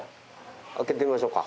開けてみましょうか。